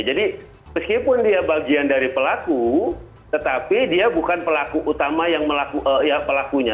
jadi meskipun dia bagian dari pelaku tetapi dia bukan pelaku utama yang melakukan pelakunya